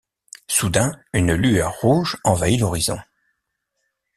Soudain une lueur rouge envahit l'horizon.